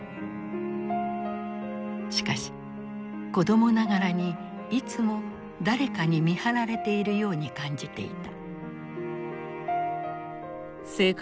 しかし子供ながらにいつも誰かに見張られているように感じていた。